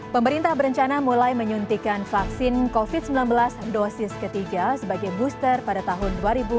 pemerintah berencana mulai menyuntikan vaksin covid sembilan belas dosis ketiga sebagai booster pada tahun dua ribu dua puluh